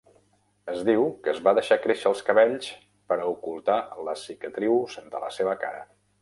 Es diu que es va deixar créixer els cabells per a ocultar les cicatrius de la seva cara.